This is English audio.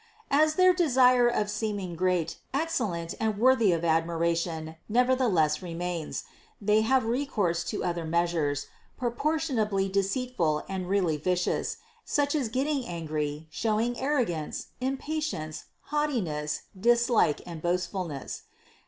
As their desire of seeming great, ex cellent and worthy of admiration nevertheless remains, THE CONCEPTION 447 they have recourse to other measures, proportionately deceitful and really vicious, such as getting angry, show ing arrogance, impatience, haughtiness, dislike and boastfulness.